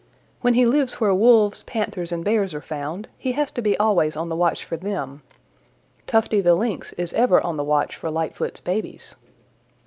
When he lives where Wolves, Panthers and Bears are found, he has to be always on the watch for them. Tufty the Lynx is ever on the watch for Lightfoot's babies.